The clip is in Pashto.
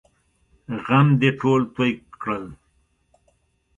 غم دې ټول توی کړل!